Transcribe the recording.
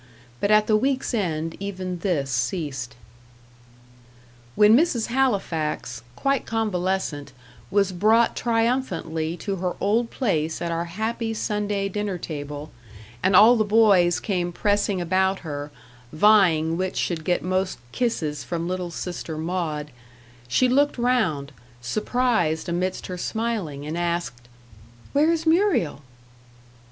But at the week's end even this ceased. When Mrs. Halifax, quite convalescent, was brought triumphantly to her old place at our happy Sunday dinner table, and all the boys came pressing about her, vying which should get most kisses from little sister Maud she looked round, surprised amidst her smiling, and asked: "Where is Muriel?"